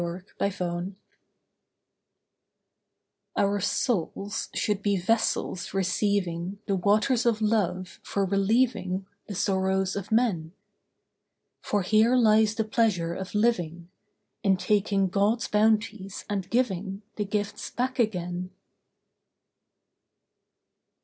OUR SOULS Our souls should be vessels receiving The waters of love for relieving The sorrows of men. For here lies the pleasure of living: In taking God's bounties, and giving The gifts back again.